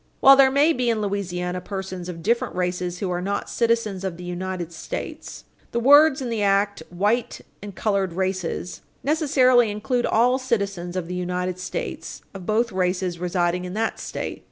While there may be in Louisiana persons of different races who are not citizens of the United States, the words in the act "white and colored races" necessarily include all citizens of the United States of both races residing in that State.